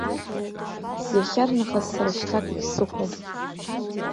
Иахьарнахыс сара шьҭа акагь сыхәом.